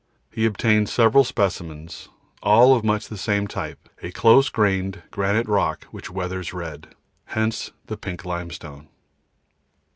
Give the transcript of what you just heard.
He obtained several specimens, all of much the same type, a close grained granite rock which weathers red. Hence the pink limestone.